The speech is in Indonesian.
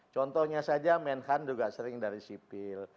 contohnya saja menhan juga sering dari sipil